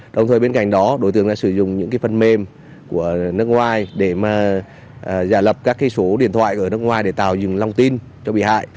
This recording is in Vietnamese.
đồng thời bên cạnh đó đối tượng đã sử dụng những phần mềm của nước ngoài để giả lập các số điện thoại ở nước ngoài để tạo dựng lòng tin cho bị hại